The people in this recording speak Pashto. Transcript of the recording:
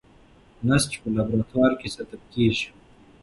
نسج په لابراتوار کې ساتل کېږي.